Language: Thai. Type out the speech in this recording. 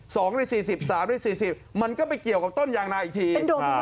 สองในสี่สิบสามในสี่สิบมันก็ไปเกี่ยวกับต้นยางนาอีกที